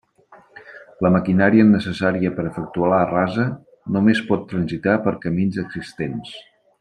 La maquinària necessària per efectuar la rasa només pot transitar per camins existents.